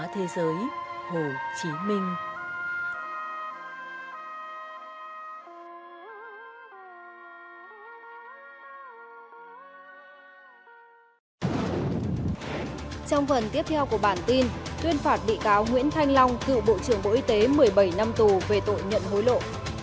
trong phần tiếp theo của bản tin tuyên phạt bị cáo nguyễn thanh long cựu bộ trưởng bộ y tế một mươi bảy năm tù về tội nhận hối lộ